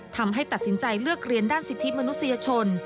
ทำให้ตัดสินใจเลือกเรียนด้านสิทธิมนุษยชน